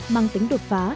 mang tính đột phá